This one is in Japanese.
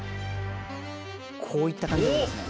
こういった感じですね。